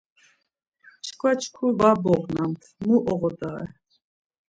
Çkva çku var bognamt, mu oğodare.